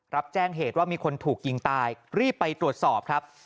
รับแจ้งเหตุว่ามีคนถูกยิงตายรีบไปตรวจสอบครับ